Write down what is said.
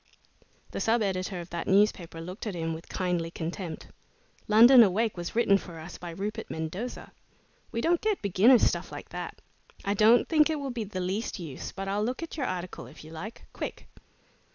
The sub editor of that newspaper looked at him with kindly contempt. "'London Awake' was written for us by Rupert Mendosa. We don't get beginner's stuff like that. I don't think it will be the least use, but I'll look at your article if you like quick!"